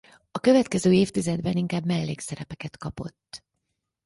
A következő évtizedben inkább mellékszerepeket kapott.